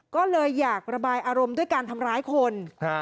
ก็เลยอยากระบายอารมณ์ด้วยการทำร้ายคน